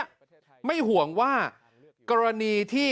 ไม่ห่วงว่ากรณีที่